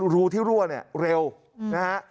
รูที่รั่วเนี่ยเร็วนะฮะ